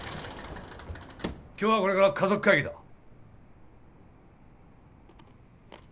今日はこれから家族会議だ。